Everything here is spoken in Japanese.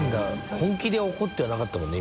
本気で怒ってはなかったもんね